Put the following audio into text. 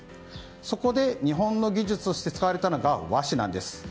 そこで日本の技術として使われたのが、和紙なんです。